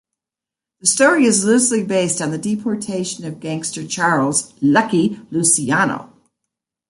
The story is loosely based on the deportation of gangster Charles "Lucky" Luciano.